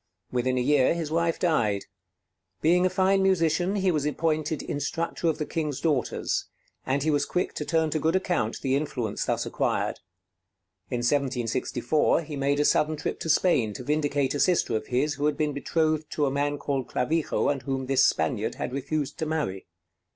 Within a year his wife died. Being a fine musician, he was appointed instructor of the King's daughters; and he was quick to turn to good account the influence thus acquired. In 1764 he made a sudden trip to Spain to vindicate a sister of his, who had been betrothed to a man called Clavijo and whom this Spaniard had refused to marry.